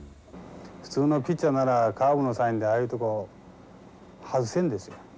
普通のピッチャーならカーブのサインでああいうとこ外せんですよ。